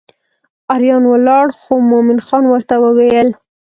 اریان ولاړ خو مومن خان ورته وویل.